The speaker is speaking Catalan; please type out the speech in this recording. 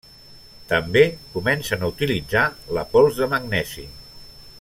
També comencen a utilitzar la pols de magnesi.